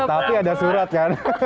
tapi ada surat kan